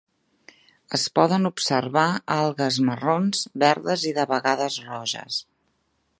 Es poden observar algues marrons, verdes i de vegades roges.